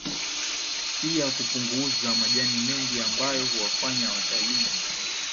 pia kupunguza majani mengi ambayo huwafanya watalii